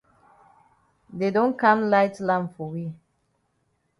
Dey don kam light lamp for we.